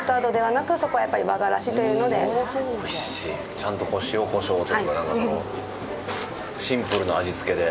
ちゃんと塩コショウというか、なんかその、シンプルな味つけで。